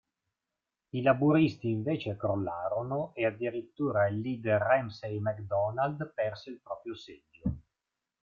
I laburisti invece crollarono, e addirittura il leader Ramsay MacDonald perse il proprio seggio.